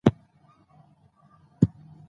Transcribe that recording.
زه هره ورځ ځان ته یو نوی هدف ټاکم.